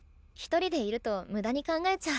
１人でいると無駄に考えちゃう。